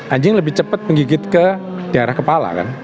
anjing lebih cepat menggigit ke daerah kepala kan